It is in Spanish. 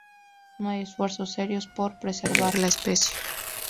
No hay esfuerzos serios por preservar la especie.